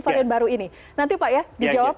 varian baru ini nanti pak ya dijawab